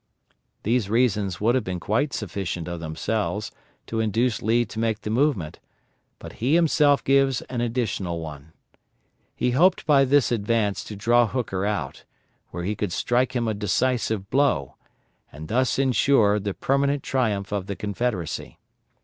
These reasons would have been quite sufficient of themselves to induce Lee to make the movement, but he himself gives an additional one. He hoped by this advance to draw Hooker out, where he could strike him a decisive blow, and thus ensure the permanent triumph of the Confederacy.